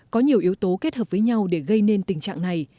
có nhiều yếu tố kết hợp với nhau để gây nên tình trạng này